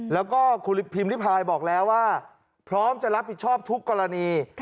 แล้วก็คุณพิมพิพายบอกแล้วว่าพร้อมจะรับผิดชอบทุกกรณี